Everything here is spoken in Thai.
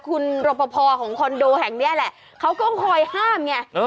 คุณรปภของคอนโดแห่งนี้แหละเขาก็คอยห้ามไง